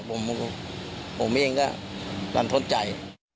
ผมเองก็รันทดใจ